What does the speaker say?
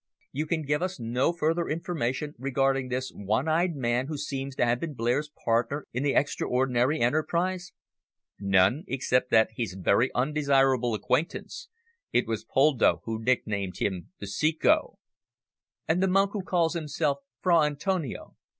"You can give us no further information regarding this one eyed man who seems to have been Blair's partner in the extraordinary enterprise?" "None, except that he's a very undesirable acquaintance. It was Poldo who nicknamed him `The Ceco.'" "And the monk who calls himself Fra Antonio?"